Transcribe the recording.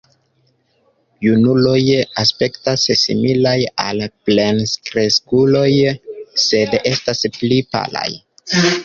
Junuloj aspektas similaj al plenkreskuloj, sed estas pli palaj.